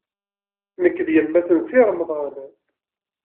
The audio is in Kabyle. Nekk d yemma-s n Si Remḍan.